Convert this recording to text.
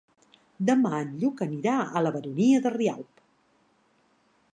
Demà en Lluc anirà a la Baronia de Rialb.